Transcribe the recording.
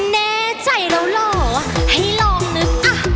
แน่ใจเหล่าเหล่าให้ลองนึก